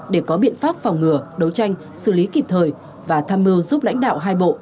để có biện pháp phòng ngừa đấu tranh xử lý kịp thời và tham mưu giúp lãnh đạo hai bộ